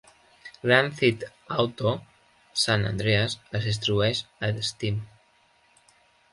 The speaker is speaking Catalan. "Grand Theft Auto: San Andreas" es distribueix a Steam.